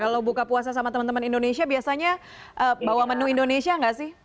kalau buka puasa sama teman teman indonesia biasanya bawa menu indonesia nggak sih